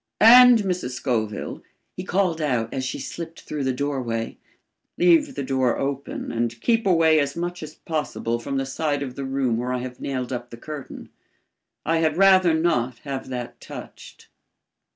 And Mrs. Scoville," he called out as she slipped through the doorway, "leave the door open and keep away as much as possible from the side of the room where I have nailed up the curtain. I had rather not have that touched."